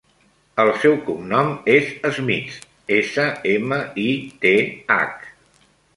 El seu cognom és Smith: essa, ema, i, te, hac.